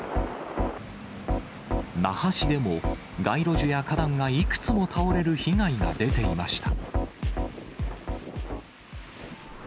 那覇市でも、街路樹や花壇がいくつも倒れる被害が出ていました。